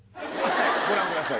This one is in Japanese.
ご覧ください